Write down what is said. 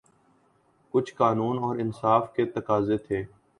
کچھ قانون اور انصاف کے تقاضے تھے۔